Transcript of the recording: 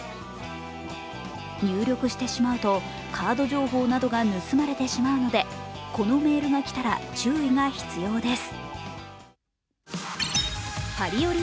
入力してしまうとカード情報などが盗まれてしまうのでこのメールがきたら注意が必要です。